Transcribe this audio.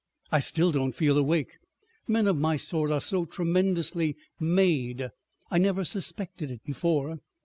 I still don't feel awake. Men of my sort are so tremendously made; I never suspected it before."